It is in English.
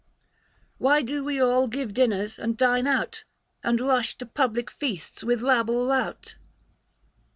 395 " Why do we all give dinners and dine out, And rush to public feasts with rabble rout